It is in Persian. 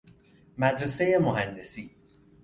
مدرسه مهندسی